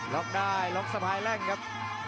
รอกได้รกเสบายแรงครับ